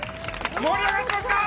盛り上がってますかー！